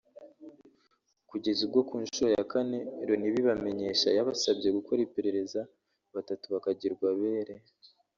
kugeza ubwo ku nshuro ya Kane Loni ibibamenyesha yabasabye gukora iperereza batatu bakagirwa abere